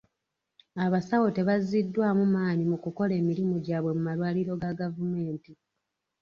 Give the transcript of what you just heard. Abasawo tebaziddwamu maanyi mu kukola emirimu gyabwe mu malwaliro ga gavumenti.